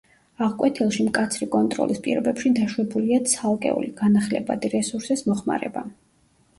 აღკვეთილში მკაცრი კონტროლის პირობებში დაშვებულია ცალკეული განახლებადი რესურსის მოხმარება.